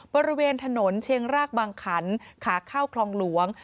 บริเวณถนนเชียงรากบางขันขาเข้าคลองหลวง